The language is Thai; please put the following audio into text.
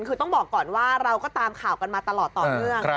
คือต้องบอกก่อนว่าเราก็ตามข่าวกันมาตลอดต่อเนื่อง